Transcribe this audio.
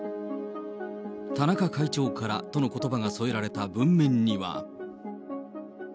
田中会長からとのことばが添えられた文面には。